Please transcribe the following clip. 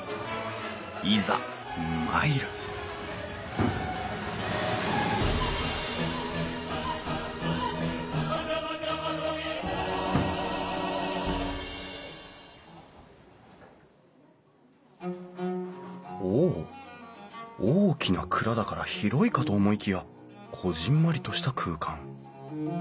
いざ参るお大きな蔵だから広いかと思いきやこぢんまりとした空間。